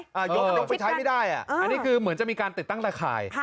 อย่างนี้มันก็ไปใช้ไม่ได้อ่ะอ่าอันนี้คือเหมือนจะมีการติดตั้งตั้งขาย